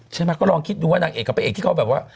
ใช่ไหมก็ลองคิดดูว่านางเอกกับพระเอกที่เขาแบบว่า